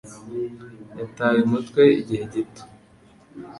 Yataye umutwe igihe gito.